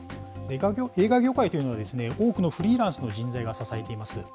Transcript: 映画業界というのは、多くのフリーランスの人材が支えています。